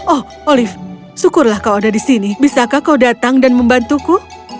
oh olive syukurlah kau ada di sini bisakah kau datang dan membantuku